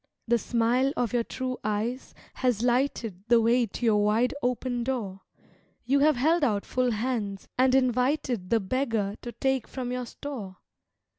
The smile of your true eyes has lighted The way to your wide open door. You have held out full hands, and invited The beggar to take from your store.